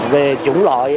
về chủng loại